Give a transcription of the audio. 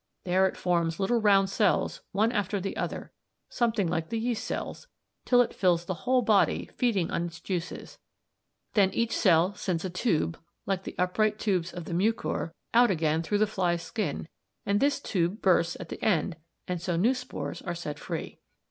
There it forms little round cells one after the other, something like the yeast cells, till it fills the whole body, feeding on its juices; then each cell sends a tube, like the upright tubes of the Mucor (Fig. 23) out again through the fly's skin, and this tube bursts at the end, and so new spores are set free.